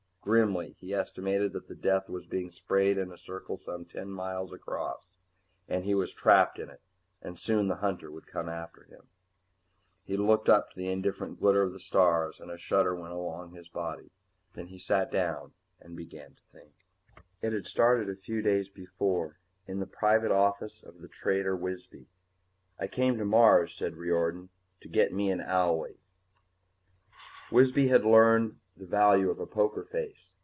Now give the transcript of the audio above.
Grimly, he estimated that the death was being sprayed in a circle some ten miles across. And he was trapped in it, and soon the hunter would come after him. He looked up to the indifferent glitter of stars, and a shudder went along his body. Then he sat down and began to think. It had started a few days before, in the private office of the trader Wisby. "I came to Mars," said Riordan, "to get me an owlie." Wisby had learned the value of a poker face.